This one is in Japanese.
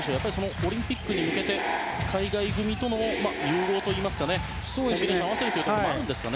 オリンピックに向けて海外組との融合といいますかコンビネーションを合わせるというところもあるんでしょうか。